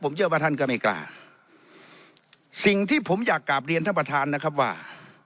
ผมเชื่อว่าท่านก็ไม่กล้าสิ่งที่ผมอยากกลับเรียนท่านประธานนะครับว่า